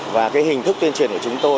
và hình thức tuyên truyền của chúng tôi